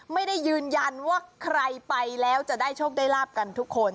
ไม่ได้ยืนยันว่าใครไปแล้วจะได้โชคได้ลาบกันทุกคน